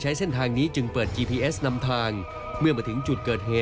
จะเป็นท่วงสุดที่ยังการคำบันทุกไปไข่ไก่ไป